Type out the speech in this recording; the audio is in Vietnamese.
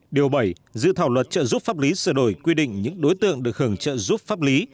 điều bảy dự thảo luật trợ giúp pháp lý sửa đổi quy định những đối tượng được hưởng trợ giúp pháp lý